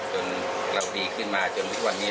จนเราดีขึ้นมาจนทุกวันนี้